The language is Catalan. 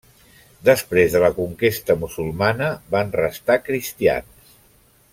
Després de la conquesta musulmana van restar cristians.